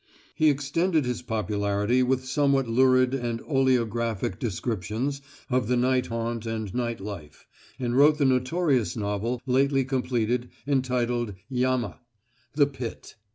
" He extended his popularity with somewhat lurid and oleographic descriptions of the night haunt and night life, and wrote the notorious novel, lately completed, entitled "Yama" "The Pit."